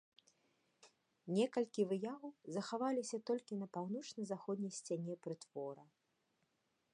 Некалькі выяў захаваліся толькі на паўночна-заходняй сцяне прытвора.